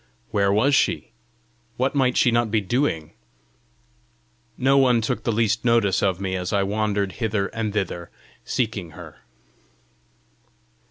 Where was she? What might she not be doing? No one took the least notice of me as I wandered hither and thither seeking her.